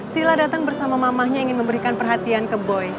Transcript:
sila datang bersama mamahnya ingin memberikan perhatian ke boy